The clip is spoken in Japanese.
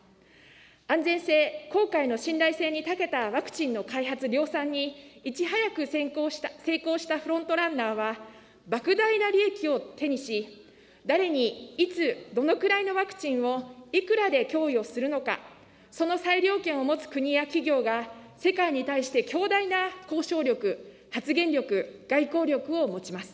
安全性、効果への信頼性にたけたワクチンの開発・量産に、いち早く成功したフロントランナーは、ばく大な利益を手にし、誰に、いつ、どのくらいのワクチンをいくらで供与するのか、その裁量権を持つ国や企業が世界に対して強大な交渉力、発言力、外交力を持ちます。